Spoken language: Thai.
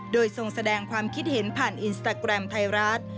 โดยทรงแสดงความคิดเห็นผ่านอินสตาแกรมไทยรัฐ